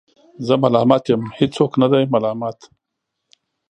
زه ملامت یم ، هیڅوک نه دی ملامت